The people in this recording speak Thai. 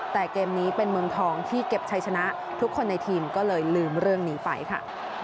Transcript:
แต่เกมนี้เป็นเมืองทองที่เก็บชัยชนะทุกคนในทีมก็เลยลืมเรื่องนี้ไปค่ะ